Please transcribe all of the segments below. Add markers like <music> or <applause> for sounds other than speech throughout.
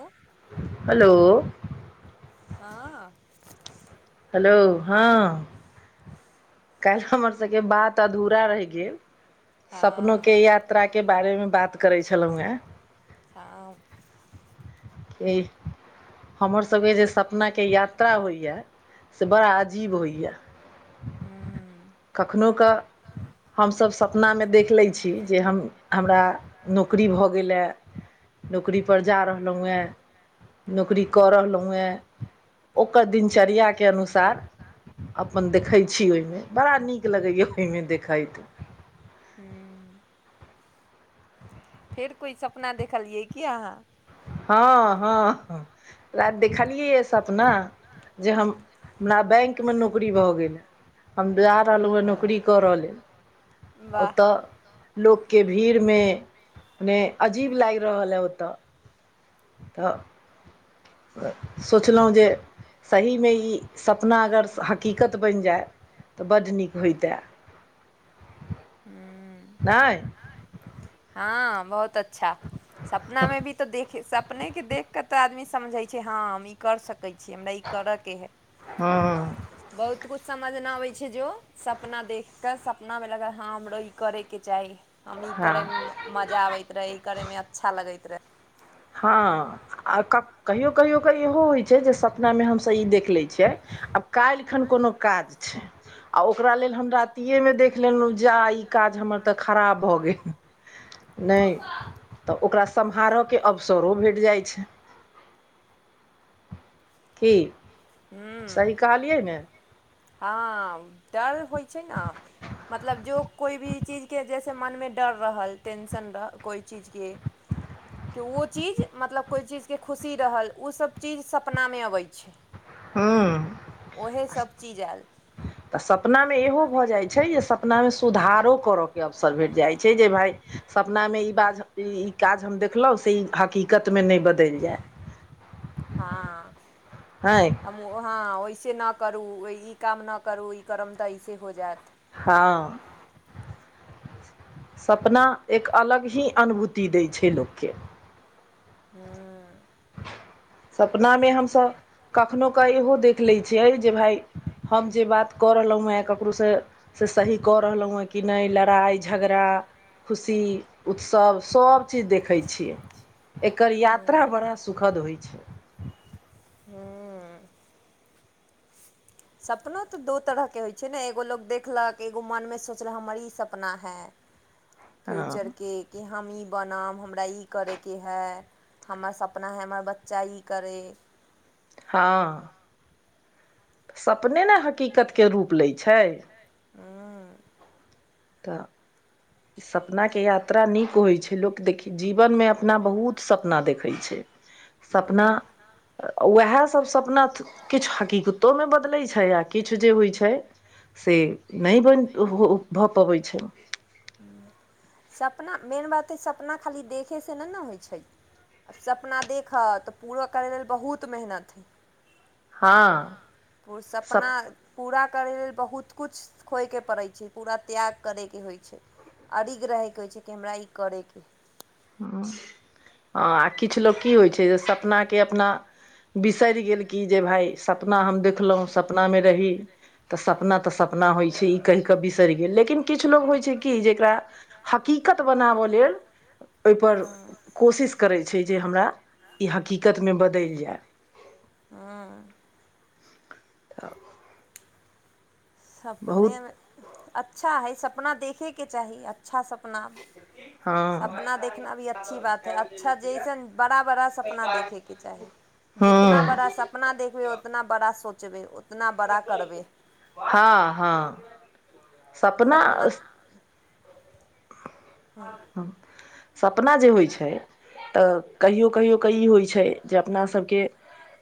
ओ hello हँ hello हँ काल्हि हमर सबके बात अधूरा रहि गेल हँ सपनोके या यात्राके बारेमे बात करै छलहुँ हेँ ताम ई हमर सबके जे सपनाके याद त्रा होइए से बड़ा अजीब होइए हूँ कखनो क हमसभ सपनामे देख लैत छी जे हम हमरा नौकरी भऽ गेलए नौकरीपर जा रहलहुँ हेँ नौकरी कऽ रहलहुँ हेँ ओकर दिनचर्या के अनुसार अपन देखै छी ओहिमे बड़ा नीक लगैया ओहिमे देखाईत हू फेर कोइ सपना देखलियै की अहाँ हँ हँ राईति देखलियैया सपना जे हम हमरा बैंकमे नौकरी भऽ गेल ह हम जा रहलहुँ हेँ नौकरी करय लेल वाह ओतय लोकके भीड़मेने अजीब लागि रहल अइ ओतऽ तऽ सोचलहुँ जे सहीमे ई सपना अगर हकीकत बनि जाय तऽ बड्ड नीक होइतए हूँ नाए हँ बहुत अच्छा सपना मे भी तऽ देखे स अपनेके देखिकऽ तऽ आदमी समझै छै हँ हम ई करि सकै छी हमरा ई करऽके हइ हँ बहुत किछु समझ न अबैत छै जो सपना देख कऽ सपनामे लागल हँ हमरो ई करैईके चाही हम ई करै हँ मे मजा आबैत रहै ई करै मे अच्छा लगैत रहै हँ आ कहियो कहियो क इहो होइत छै जे सपनामे हमसभ ई देख लैत छियै आब काल्हि खन कोनो काज छै आ ओकरा लेल हम रातिए मे देख जा ईकाज हमर त खराप भ गेल नई त के अवसरो भेट जाइत छै की हूँ सही कहलियै ने हँ डल होइ छै न मतलब जो कोई भी चीज के जैसे मन मे डर रहल टेंशन रहल कोई चीज के <inaudible> के ओ चीज मतलब कोइ चीजके खुशी रहल ओ सब चीज सपनामे अबै छै हू उएहेसभचीज आयल ह तऽ सपनामे इहो भऽ जाइ छै जे सपनामे सुधारो करऽके अवसर भेट जाइत छै जे भााय सपनामे ई बाज ई ई काज हम देखलहुँ से ई हकीीकतमे नहि बदलि जाय हँ हँ हम हँ वइसे नहि करू ई काम नहि करू ई करब तऽ ऐसे हो जायत हँ सपना एक अलग ही अनुभूति दै छै लोकके हू सपना मे हमस कखनो क इहो देख ले छियै जे भााय हम जे बात कऽ रहलहुँ ककरोसँ से सही कऽ रहलहुँ हेँ कि नहि लड़ाइ झगड़ा खुशी उत्सव सभचीज देखैत छियै एकर यात्रा बड़ा सु सुखद होइ छै हँ <inaudible> सपनो तऽ दू तरहके होइत छै ने एगो लोक देखलक एगो मोनमे सोचलक हमर ई सपना है हँ फ्यूचरके कि हम ई बनाब हमरा ई करयके हाइ हमर सपना है हमर बच्चा ई करै हँ सपने ने हकीकतके रूप लैत छै हँ तऽ सपनाके यात्रा नीक होइ छै लोक देख जीवनमे अपना बहुत सपना देखैत छै सपना उएह सब सपना किछु हकीीकत ोमे बदलैत छै आ किछु जे होइ छै से नहि बन हो भऽ पबैत छै सपना मेन बात हइ सपना खाली देखैसँ नहि ने होइ छै आ सपना देखह तऽ पूरो करय लेल बहुत मेहनत हइ हँ सपना सप पूरा करै लेल बहुत कुछ खोइके पड़ै छै पूरा त्याग करैके होइ छै अरिघ रहैके होइ छै हमरा ई करैके हँ आ किछु लोक की होइ छै जे सपनाके अपना बिसरि गेल कि जे भाय सपना हम देखलहुँ सपनामे रही तऽ सपना तऽ सपना होइ छै ई कहि कऽ बिसरि गेल लेकिन किछु लोक होइ छै की जकरा हकीकत बनाबऽ लेल ओहिपर कोशिश करै छै जे हमरा ई हकीकतमे बदलि जाय हँ तब बहुत सपनेमे अच्छा हइ सपना देखयके चाही अच्छा सपना हँ सपना देखना भी अच्छी बात है अच्छा जइसन बड़ा बड़ा सपना देखैके चाही जितना हँ बड़ा सपना देखबै उतना बड़ा सोचबै उतना बड़ा करबै हँ हँ सपना ह सपना जे होइ छै तऽ कहियो कहियो क ई होइ छै जे अपना सबके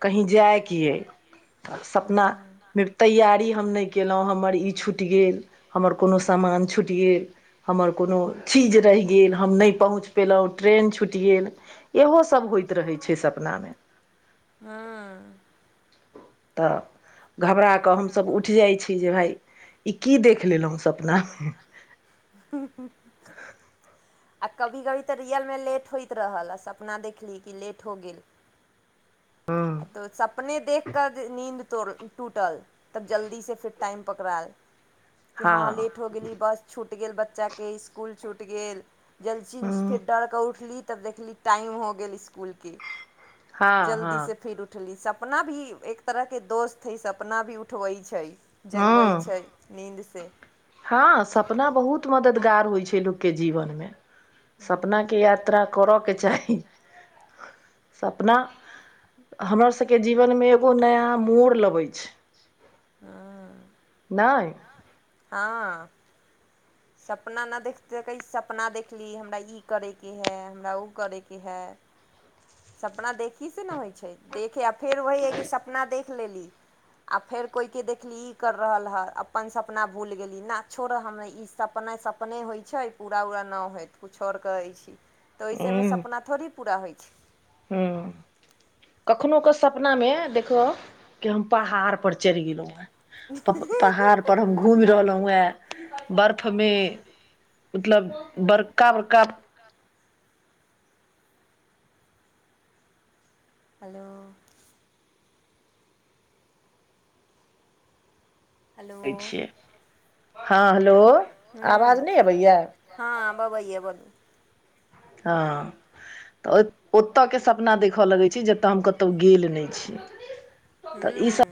कहीँ जाइकै सपनामे तैयारी हम नहि कलहुँ हमर ई छुटि गेल हमर कोनो समान छुटि गेल हमर कोनो चीज रहि गेल हम नहि पहुँच पयलहुँ ट्रेन छूटि गेल इहो सब होइत रहै छै सपना मे हँ तऽ घबरा कऽ हमसभ उठि जाइ छी जे भाय ई की देख लेलहुँ सपनामे ह ह आ कभी कभी तऽ रियलमे लेट होइत रहल आ सपना देखली कि लेट हो गेल आ तो सपने देख क नींद तोड़ टूटल तब जल्दीसँ फेर टाइम पकड़ायल कि हँ लेट हो गेली बस छूटि गेल बच्चाके इसकुल छूटि गेल जलस हँ फेर डरके उठली त देखली टाइम हो गेल इसकुल के हँ जल्दी से हँ फिर उठली सपना भी एक तरहके दोस्त हइ सपना भी उठबै छै जगबैत हँ छै नीन्दसँ हँ सपना बहुत मददगार होइ छै लोकके जीवनमे सपना के यात्रा करय के चाही सपना हमर सभके जीवनमे एगो नया मोड़ लबैत छै हँ नहि हँ सपना नहि देखतकै सपना देखली हमरा ई करयके हइ हमरा ओ करयके हइ सपना देखहीसँ ने होइ छै देखे आ फेर ओह हइ कि सपना देखि लेली आ फेर कोइके देखली ई कर रहल हँ अपन सपना भूलि गेली ना छोड़ हम ई सपना स सपने होइ छै पूरा उरा नहि होत किछु आओर करै छी तऽ ओहिसमे सपना थोड़ी पूरा होइ छै हूँ कखनो के सपना मे देखो कि हम पहाड़ पर चढ़ि गेलहु हें प पहाड़पर हम घूमि रहलहुँ हेँ बर्फमे मतलब बड़का बड़का आ हेलो हेलो हँ हेलो आवाज हूँ नहि अबैय हँ बबैए बलू हँ तऽ ओतय के सपना देखय लगैत छै जतय हम क कतो गेल नई छी त ई सब हूँ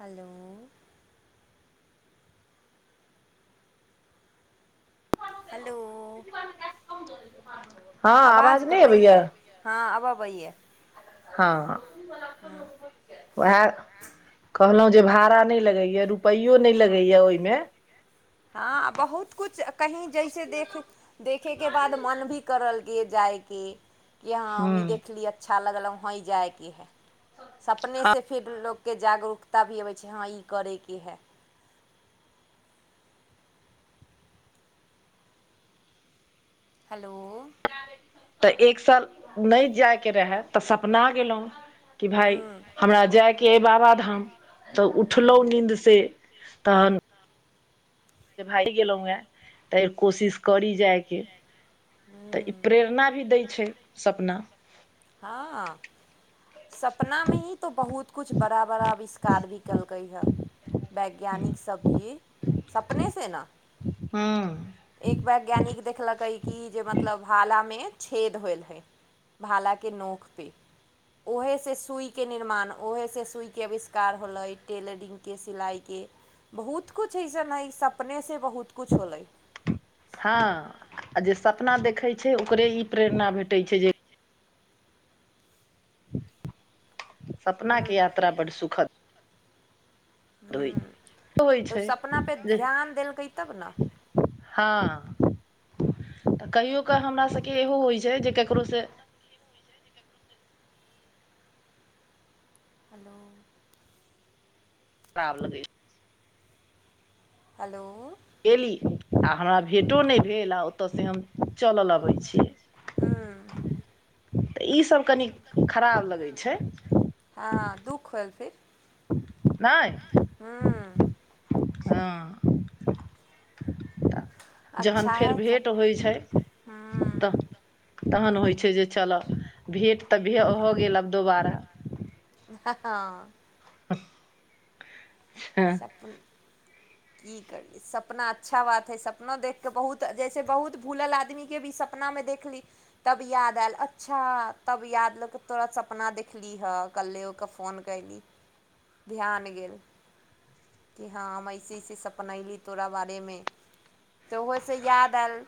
हेलो हेलो हँ आवाज नहि अबैया कटैये हँ अब अबैयए हँ उएह कहलहु जे भाड़ा नहि लगैय रुपै नहि लगैया ओहिमे हँ बहुत कुछ कहीं जैसे देखे देखयके बाद मन भी करल कि जायके कि हँ हममही ह देखली अच्छा लगल वँ जाइके हइ सपने हँ से फिर लोक के जागरूकता भी अबै छै हँ ई करैके हइ हेलो तऽ एक साल नहि जायके रहय तऽ सपना गेलहुँ कि भाय हूँ हमरा जायके अइ बाबाधाम तऽ उठलहुँ नीन्दसँ तान <unintelligible> भार गेलों हे तऽ कोशिश करी जाय तऽ ई प्रेरणा भी दै छै सपना मे हँ सपनामे ही तऽ बहुत कुछ बड़ा बड़ा आविष्कार भी केलकै हेँ वैज्ञानिक सब भी सपने से ने हु एक वैज्ञानिक देखलेकै कि जे मतलब भालामे छेद होयल हय भालाके नोक पे ओहेसँ सुइके निर्माण उहेसँ सुइके अविष्कार होलै टेलरिंगके सिलाइके बहुत कुछ अइसन हाइ सपनेसँ बहुत कुछ होलै हँ जे सपना देखै छै ओकरे ई प्रेरणा भेटैत छै जे सपना के यात्रा बड सुखद होइ तऽ ओ छै सपना पे जे ध्यान देलकै तब न हँ तऽ कहियो कऽ हमरा सभके इहो होइ छै जे ककरो से हेलो पावल द <unintelligible> हेलो अली आ हमरा भेटो नहि भेल आ ओतयसँ हम चलल अबैत छियै हँ तऽ ईसभ की खराब लगै छै हँ दुःख होयल नहि हँ हँ तऽ जहन अच्छा फेर है भेट सप होइ छै तऽ तखन होइ छै जे चलह भेट तऽ भ हो गेल आब दोबारा हँ हँ हँ सपना की करीये सपना अच्छा बात हाइ सपना देख कऽ बहुत जैसे बहुत भूलल आदमीके भी सपना मे देखली तब याद आयल अच्छा तब याद लोक के तोरा सपना देखलीहऽ कल्ले ओक फोन क ध्यान गेल कि हँ हम अऐसे अऐसे सपनैली तोरा बारेमे तऽ ओहिसँ याद आयल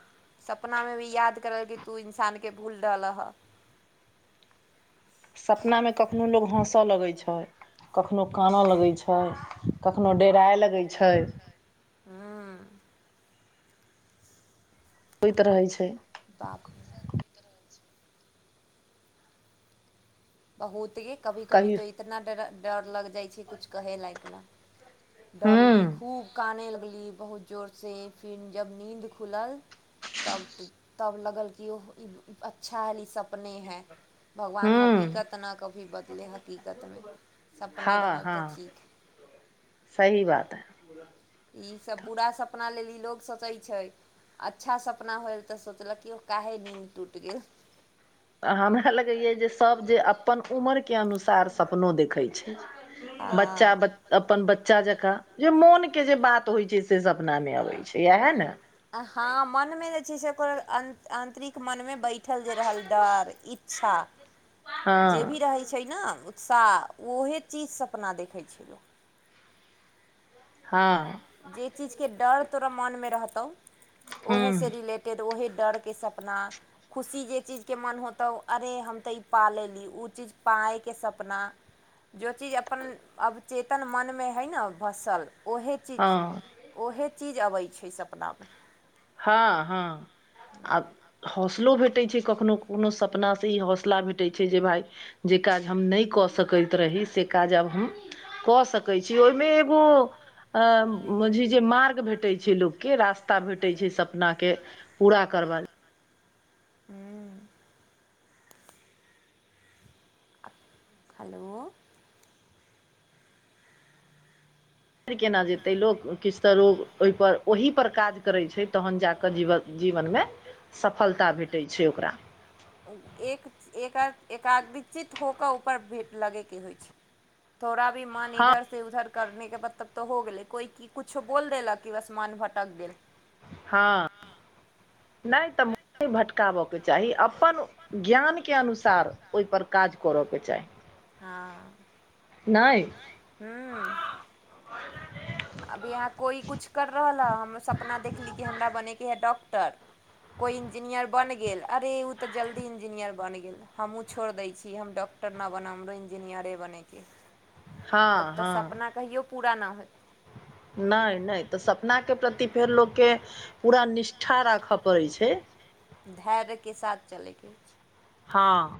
सपना मे भी याद करल कि तू इन्सानके भूल रहल हँ सपना मे कखनहु लोक हँसय लगैत छै कखनो कानेऽ लगैत छै कखहु डेराइ लगैत छै हँ होइत रहै छै बाप रे बहुत कभी कभी कही तऽ इतना ड डर लगि जाइ छै कछु कहै लायक लऽ हूँ डरली खूब कानय लगली बहुत जोरसँ फेर जब नीन्द खुलल तब तब लगल कि ओ अच्छा आयल ई सब ' अपने है भगवान हूँ हकीकत न कभी बदले हकीकतमे अपने हँ रहल हँ तऽ ठीक सही बात है ईसभ पूरा सपना लेल ई लोक सोचै छै अच्छा सपना होइल तऽ सोचलक कि ओ काहे नींन्द टूटि गेल तऽ हमरा लगैए जे सभ जे अपन उमरके अनुसार सपनो देखैत छै बच्चा हँ ब अपन बच्चा जकाँ जे मोन के जे बात होइ छै से सपना मे अबै छै। इएह ने हँ मनमे जे छै से ओकर आन्तरिक मनमे बैठल जे रहल डर इच्छा जे हँ भी रहै छै ने उत्साह ओहे चीजसँ अपना देखै छै लोक हँ जे चीजके डर तोरा मोनमे रहतौ हूँ ओहेसँ रिलेट तेक तऽ ओहे डरके सपना खुशी जे चीजके मोन होतौ अरे हम तऽ ई पा लेली ओ चीज पाायके सपना जो चीज अपन अवचेतन मनमे हइ ने भसल ओहे चीज हँ ओहे चीज अबै छै सपनामे हँ हँ आ हौसलो भेटै छै कखननो कोनो सपनासँ ई हौसला भेटै छै जे भाय जे काज हम नहि कऽ सकैत रही से काज आब हम कऽ सकै छी ओहिमे एगो अ बुझी जे मार्ग भेटे छै लोक के रास्ता भेट सपना के पूरा करबाक हेलो केना जेतै लोक किछु तऽ लोग ओहिप ओहि पर काज करै छै तहन जाकऽ जीवन जीवनमे सफलता भेटै छै ओकरा एक एक एकाग्रचित हो कऽ ऊपर भेट लगयके होइ छै थोड़ा भी मन हँ इधर से उधर क करनेके बत तब तऽ हो गेलै कोइ कि किछो बोल देलक कि बस मान भटक गेल हँ नहि तऽ म भटकाबयके चाही अपन ज्ञानके अनुसार ओहिपर काज करऽके चाही हँ नाय हँ अभ यहाँ कोइ किछु करि रहल हए हम सपना देखली कि हमरा बनयके हए डॉक्टर कोइ इंजीनियर बनि गेल अरे ओ तऽ जल्दी इंजीनियर बनि गेल हमहूँ छोड़ दै छी हम डॉक्टर नहि बनब हमरो इंजीनियरे बनैके तब हँ तऽ हँ सपना कहियो पूरा नहि होतै नहि नहि तऽ सपना के प्रति फेर लोकके पूरा निष्ठा राखऽ पड़ैत छै धैर्यके साथ चलैके हँ